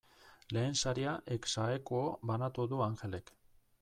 Lehen saria ex aequo banatu du Angelek.